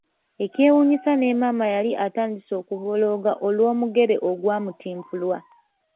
Ekyewuunyisa ne maama yali atandise okubolooga olw’omugere ogwamutimpulwa.